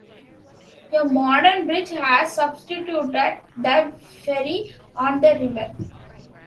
A modern bridge has substituted the ferry on the river.